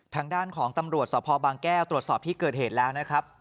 ทางด้านของตำรวจสพบางแก้วตรวจสอบที่เกิดเหตุแล้วนะครับ